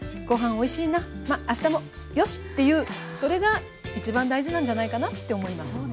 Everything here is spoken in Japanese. ごはんおいしいなまあしたもよし！っていうそれが一番大事なんじゃないかなって思います。